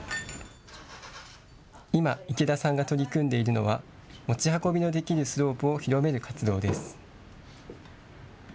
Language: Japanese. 今、池田さんが取り組んでいるのは持ち運びのできるスロープを広める活動です。